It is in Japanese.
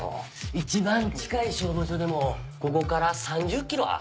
一番近い消防署でもここから３０キロは離れとるで。